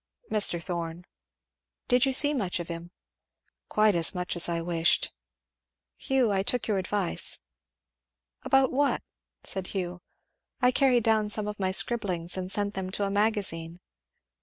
"Mr. Thorn." "Did you see much of him?" "Quite as much as I wished. Hugh I took your advice." "About what?" said Hugh. "I carried down some of my scribblings and sent them to a Magazine."